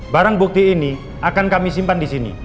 barang bukti ini akan kami simpan di sini